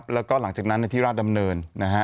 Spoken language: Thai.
แล้วก็หลังจากนั้นนั้นที่ราชดำเนิน